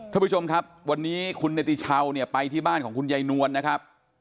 ท่านผู้ชมครับวันนี้คุณเนติชาวเนี่ยไปที่บ้านของคุณยายนวลนะครับ